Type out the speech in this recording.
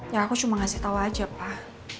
ya aku cuma ngasih tahu aja pak